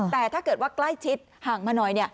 แต่ถ้าเกิดว่าใกล้ชิดห่างมาหน่อย